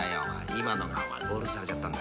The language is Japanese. ［今のがボールにされちゃった。